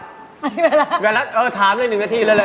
มีแฟนแล้วเออถามเลย๑นาทีเลยไป